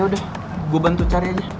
udah gue bantu cari aja